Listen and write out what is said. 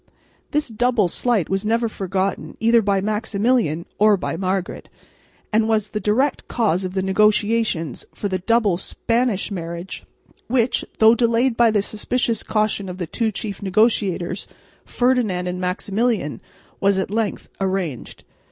This double slight was never forgiven either by Maximilian or by Margaret, and was the direct cause of the negotiations for the double Spanish marriage, which, though delayed by the suspicious caution of the two chief negotiators, Ferdinand and Maximilian, was at length arranged.